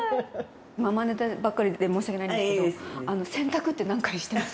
ママネタばっかりで申し訳ないんですけど、洗濯って何回してます？